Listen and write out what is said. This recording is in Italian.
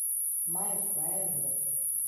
My Friend!